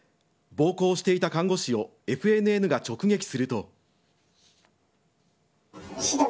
暴行していた看護師をＦＮＮが直撃すると。